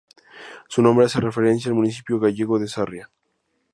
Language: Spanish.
Su nombre hace referencia al municipio gallego de Sarria.